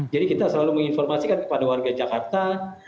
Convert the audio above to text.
jadi kita selalu menginformasikan kepada warga jakarta